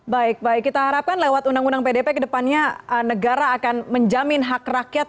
baik baik kita harapkan lewat undang undang pdp kedepannya negara akan menjamin hak rakyat